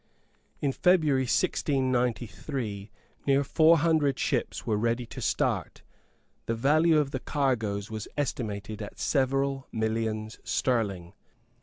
In February 1693, near four hundred ships were ready to start. The value of the cargoes was estimated at several millions sterling.